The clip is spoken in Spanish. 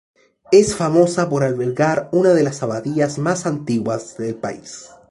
Es famosa por albergar una de las abadías más antiguas del país.